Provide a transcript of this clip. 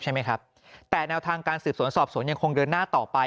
ใช่ไหมครับแต่แนวทางการสืบสวนสอบสวนยังคงเดินหน้าต่อไป